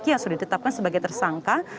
yang sudah ditetapkan sebagai tersangka